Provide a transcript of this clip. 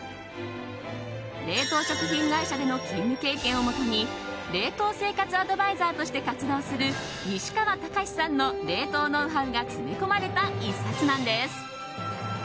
冷凍食品会社での勤務経験をもとに冷凍生活アドバイザーとして活動する西川剛史さんの冷凍ノウハウが詰め込まれた１冊なんです。